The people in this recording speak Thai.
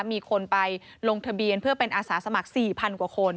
มีคนไปลงทะเบียนเพื่อเป็นอาสาสมัคร๔๐๐กว่าคน